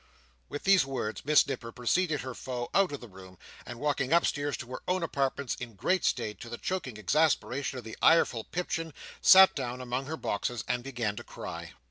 With these words, Miss Nipper preceded her foe out of the room; and walking upstairs to her own apartments in great state, to the choking exasperation of the ireful Pipchin, sat down among her boxes and began to cry.